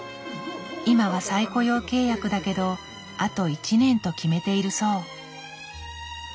今は再雇用契約だけどあと１年と決めているそう。